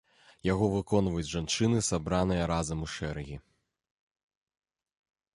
Яго выконваюць жанчыны, сабраныя разам у шэрагі.